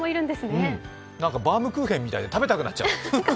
バウムクーヘンみたいで食べたくなっちゃう。